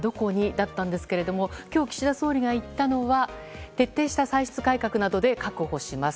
だったんですけれども今日、岸田総理が言ったのは徹底した歳出改革などで確保します。